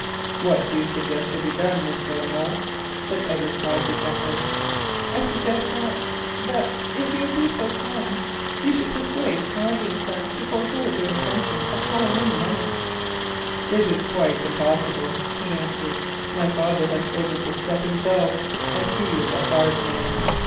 "What do you suggest should be done, Miss de la Molle?" said Edward Cossey gently. "I suggest that—that—if you will be so kind, you should persuade Cossey and Son to forego their intention of calling in the money." "It is quite impossible," he answered. "My father ordered the step himself, and he is a hard man.